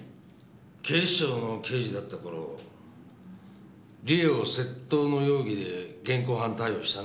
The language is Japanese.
警視庁の刑事だった頃理恵を窃盗の容疑で現行犯逮捕したのが私です。